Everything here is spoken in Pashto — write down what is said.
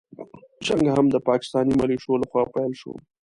جنګ هم د پاکستاني مليشو له خوا پيل شو.